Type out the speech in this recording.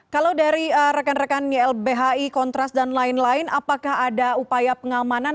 kalau dari rekan rekan ylbhi kontras dan lain lain apakah ada upaya pengamanan